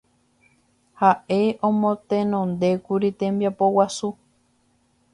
Ha'e omotenondékuri tembiapo guasu